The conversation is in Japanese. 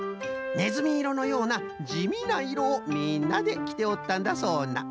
ねずみいろのようなじみないろをみんなできておったんだそうな。